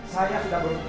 saya sudah beruntungan